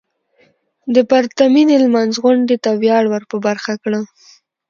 د پرتمينې لمانځغونډې ته وياړ ور په برخه کړه .